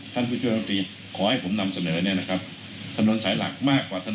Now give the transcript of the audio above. ท่านผู้ช่วยรับริขอให้ผมนำเสนอเนี่ยนะครับ